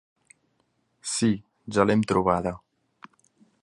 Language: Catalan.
Sí, ja l'hem trobada.